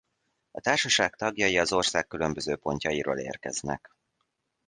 A társaság tagjai az ország különböző pontjairól érkeznek.